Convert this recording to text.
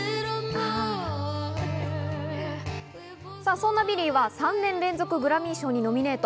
そんなビリーは３年連続グラミー賞にノミネート。